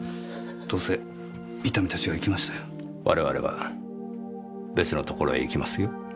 我々は別のところへ行きますよ。